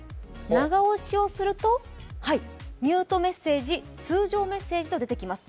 長押しをするとミュートメッセージ、通常メッセージと出てきます。